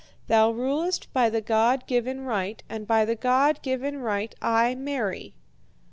Thou rulest by the God given right, and by the God given right I marry.'